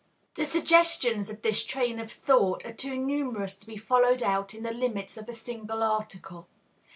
The suggestions of this train of thought are too numerous to be followed out in the limits of a single article.